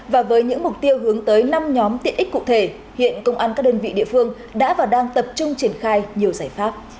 và với những mục tiêu hướng tới năm nhóm tiện ích cụ thể hiện công an các đơn vị địa phương đã và đang tập trung triển khai nhiều giải pháp